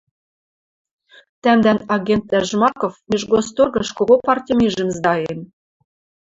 — Тӓмдӓн агентдӓ Жмаков Нижгосторгыш кого партьы мижӹм сдаен.